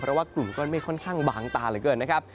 เพราะว่ากลุ่มก้อนเมฆค่อนข้างบางตาเหลือเกินนะครับ